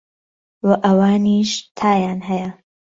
وە ئەوانیش تایان هەیە